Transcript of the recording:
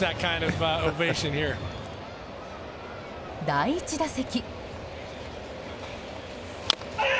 第１打席。